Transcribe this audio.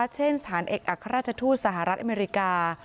เช่นสถานเอกอัครราชทูตสหรัฐอเมริกา